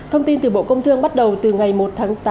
thông tin từ bộ công thương bắt đầu từ ngày một tháng tám